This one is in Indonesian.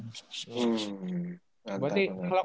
gak ada apa apa